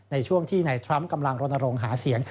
ในช่วงที่ในทรัมป์กำลังรณรงค์หาเสียง